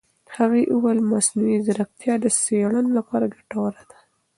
هغې وویل مصنوعي ځیرکتیا د څېړنو لپاره ګټوره ده.